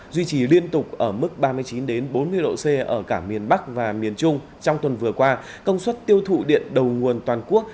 duy trì liên tục ở mức ba mươi chín bốn mươi độ c ở cả miền bắc và miền trung trong tuần vừa qua công suất tiêu thụ điện đầu nguồn toàn quốc